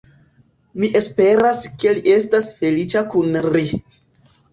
Mi esperas ke li estas feliĉa kun ri.